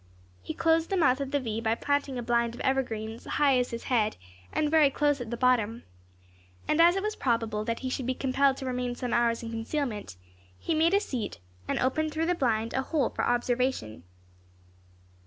He closed the mouth of the V by planting a blind of evergreens, high as his head, and very close at the bottom; and as it was probable that he should be compelled to remain some hours in concealment, he made a seat, and opened through the blind a hole for observation.